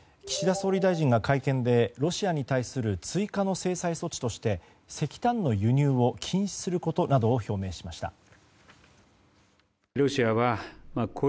岸田総理大臣が会見でロシアに対する追加の制裁措置として石炭の輸入を禁止することなどを表明しました。